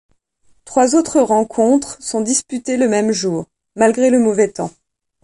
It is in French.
Trois autres rencontres sont disputées le même jour, malgré le mauvais temps.